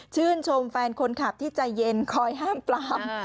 ชื่นชมแฟนคนขับที่ใจเย็นคอยห้ามปลาม